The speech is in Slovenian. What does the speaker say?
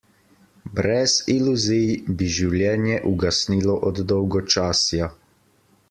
Brez iluzij bi življenje ugasnilo od dolgočasja.